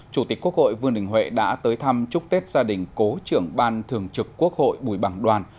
chủ tịch quốc hội vương đình huệ đã tới thăm chúc tết gia đình cố trưởng ban thường trực quốc hội bùi bằng đoàn